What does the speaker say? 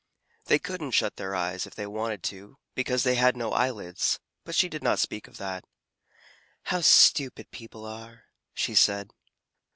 They couldn't shut their eyes if they wanted to, because they had no eyelids, but she did not speak of that. "How stupid people are," she said.